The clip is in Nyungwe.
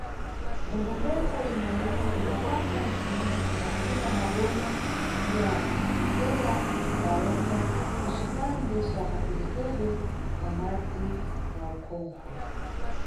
Ndondomeko imweyino imbapasa ntsimba kuna maboma ya kubzitongera payokha kucipande ca kaperekedwe ka madzi na ukhonkho.